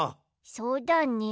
そうだね。